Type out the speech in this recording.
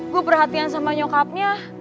gue perhatian sama nyokapnya